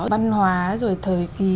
văn hóa rồi thời kỳ